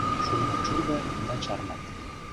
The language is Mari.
Шургат-шургат да чарнат.